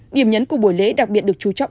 điểm nhấn của buổi lễ đặc biệt được chú trọng